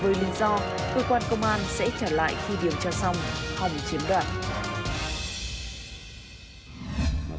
với lý do cơ quan công an sẽ trả lại khi điều tra xong không chiếm đoạn